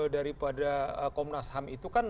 daripada komnas ham itu kan